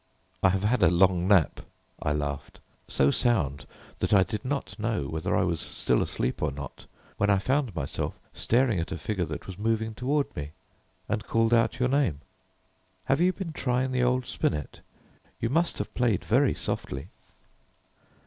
"I have had a long nap," I laughed, "so sound that I did not know whether I was still asleep or not when I found myself staring at a figure that was moving toward me, and called out your name. Have you been trying the old spinet? You must have played very softly."